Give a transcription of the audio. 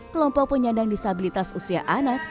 kelompok penyandang disabilitas usia anak